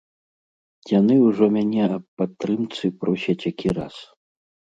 Яны ўжо мяне аб падтрымцы просяць які раз.